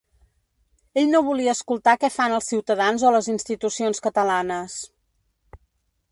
Ell no volia escoltar què fan els ciutadans o les institucions catalanes.